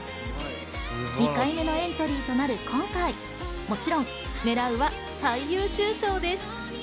２回目のエントリーとなる今回、もちろん狙うは最優秀賞です。